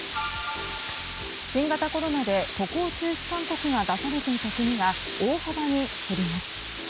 新型コロナで渡航中止勧告が出されていた国が大幅に減ります。